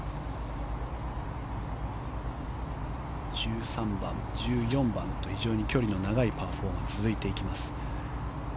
１３番、１４番と非常に距離の長いパー４が続いていきます。